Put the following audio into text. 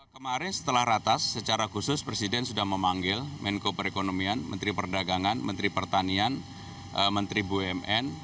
kemarin setelah ratas secara khusus presiden sudah memanggil menko perekonomian menteri perdagangan menteri pertanian menteri bumn